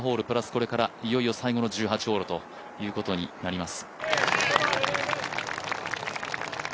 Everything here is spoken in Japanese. これからいよいよ最後の１８ホールということになります。